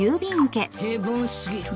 平凡過ぎる。